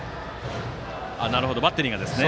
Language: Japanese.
バッテリーがですね。